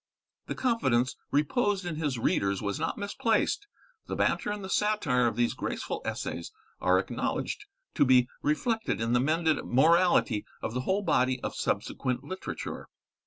The confidence reposed in his readers was not misplaced. The banter and the satire of these graceful essays are acknowledged to be reflected in the mended morality of the whole body of subsequent literature.